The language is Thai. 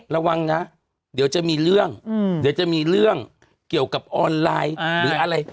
ระวังนะเดี๋ยวจะมีเรื่องเดี๋ยวจะมีเรื่องเกี่ยวกับออนไลน์หรืออะไร